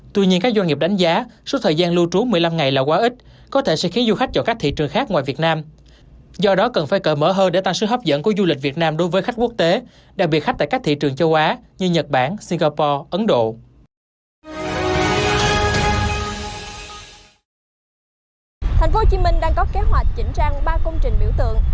thành phố hồ chí minh đang có kế hoạch chỉnh trang ba công trình biểu tượng